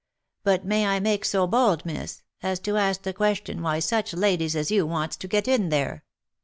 But may I make so bold, miss, as to ask the reason why such ladies as you wants ■to get in there?